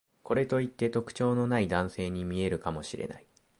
これといって特徴のない男性に見えるかもしれない